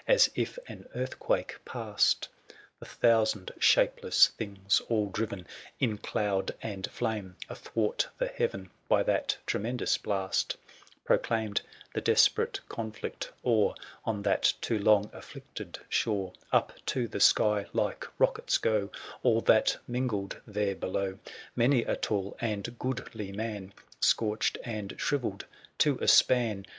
As if an earthquake passed — The thousand shapeless things all driven 980 In cloud and flame athwart the heaven, By that tremendous blast — Proclaimed the desperate conflict o'er On that too long afflicted shore : Up to the sky like rockets go 9^5 All that mingled there below : Many a tall and goodly man. Scorched and shrivelled to a span.